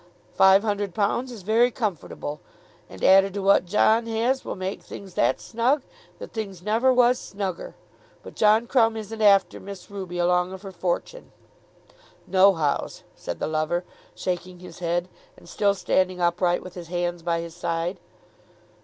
"Five hundred pounds is very comfortable; and added to what John has will make things that snug that things never was snugger. But John Crumb isn't after Miss Ruby along of her fortune." "Nohow's," said the lover, shaking his head and still standing upright with his hands by his side.